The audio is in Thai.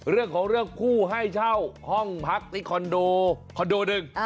เรื่องของเรื่องคู่ให้เช่าห้องพักที่คอนโดคอนโดหนึ่ง